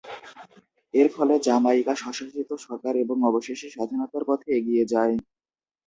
এর ফলে জামাইকা স্বশাসিত সরকার এবং অবশেষে স্বাধীনতার পথে এগিয়ে যায়।